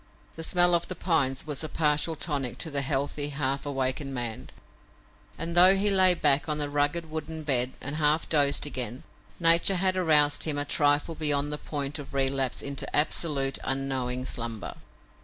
The smell of the pines was a partial tonic to the healthy, half awakened man, and, though he lay back upon the rugged wooden bed and half dozed again, nature had aroused him a trifle beyond the point of relapse into absolute, unknowing slumber.